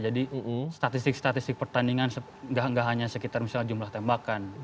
jadi statistik statistik pertandingan nggak hanya sekitar misalnya jumlah tembakan